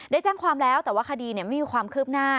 แจ้งความแล้วแต่ว่าคดีไม่มีความคืบหน้า